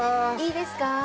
いいですか？